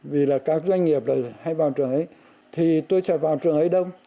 vì các doanh nghiệp hay vào trường ấy thì tôi sẽ vào trường ấy đâu